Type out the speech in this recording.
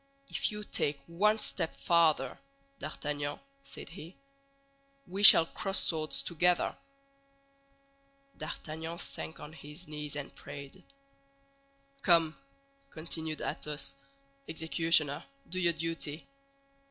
"If you take one step farther, D'Artagnan," said he, "we shall cross swords together." D'Artagnan sank on his knees and prayed. "Come," continued Athos, "executioner, do your duty."